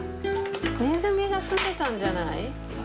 ネズミが住んでたんじゃない？